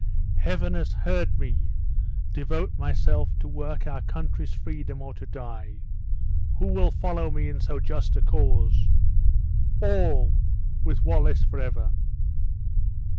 Heaven has heard me devote myself to work our country's freedom or to die. Who will follow me in so just a cause?" "All! with Wallace forever!"